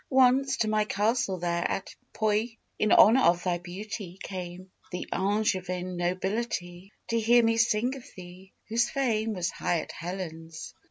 Once to my castle there at Puy, In honor of thy beauty, came The Angevin nobility, To hear me sing of thee, whose fame Was high as Helen's.